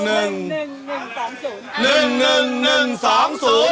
อันนี้ใหม่แล้วมา